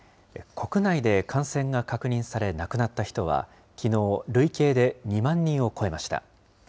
国内で感染が確認され亡くなった人は、きのう、累計で２万人を超えました。